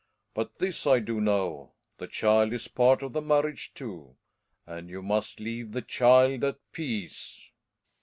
But this I do know, the child is part of the marriage too. And you must leave the child at peace.